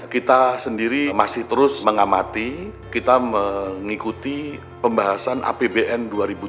kita sendiri masih terus mengamati kita mengikuti pembahasan apbn dua ribu tujuh belas